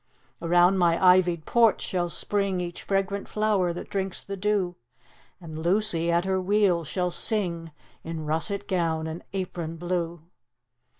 Around my ivy'd porch shall spring Each fragrant flower that drinks the dew; And Lucy, at her wheel, shall sing In russet gown and apron blue.